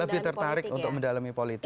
lebih tertarik untuk mendalami politik